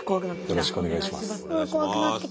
よろしくお願いします。